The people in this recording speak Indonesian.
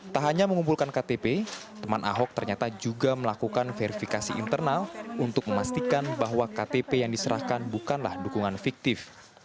tak hanya mengumpulkan ktp teman ahok ternyata juga melakukan verifikasi internal untuk memastikan bahwa ktp yang diserahkan bukanlah dukungan fiktif